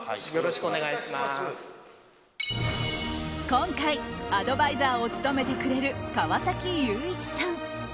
今回アドバイザーを務めてくれる川崎祐一さん。